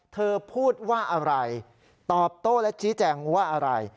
เธอพูดว่าอะไรตอบโต้และชี้แจงว่าอะไร